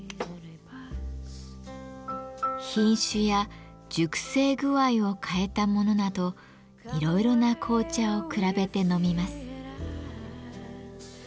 品種や熟成具合を変えたものなどいろいろな紅茶を比べて飲みます。